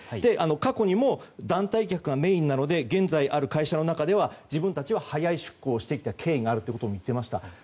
過去にも団体客がメインなので現在ある会社の中では自分たちは早い出航をしてきた経緯があるとも話していました。